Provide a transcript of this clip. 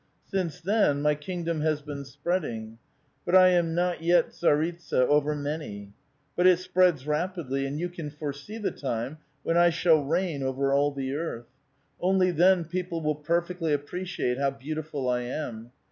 " Since then my kingdom has been spreading. But I am not yet tsaritsa over many. But it spreads rapidly, and you can foresee the time when I shall reign over ail the earth. Only then people will perfectly appreciate how beautiful I am.